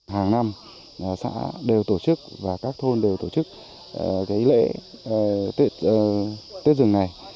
hàng năm xã đều tổ chức và các thôn đều tổ chức lễ tết dừng này